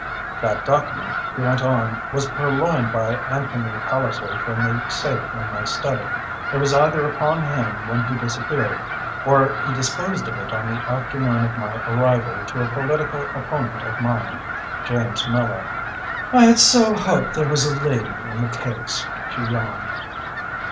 "That document," he went on, "was purloined by Anthony Palliser from the safe in my study. It was either upon him when he disappeared, or he disposed of it on the afternoon of my arrival to a political opponent of mine James Miller." "I had so hoped there was a lady in the case," she yawned.